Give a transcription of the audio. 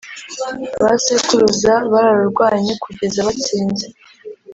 ba sekuruza bararurwanye kugeza batsinze